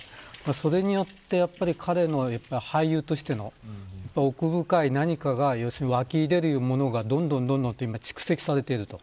それによって彼の俳優としての奥深い何かが湧き出るものが、どんどん蓄積されていると。